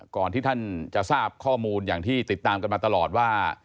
ที่ท่านจะทราบข้อมูลอย่างที่ติดตามกันมาตลอดว่า